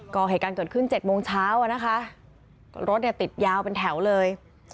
ก็เห็นการเกิดขึ้น๗โมงเช้านะคะรถติดยาวเป็นแถวเลย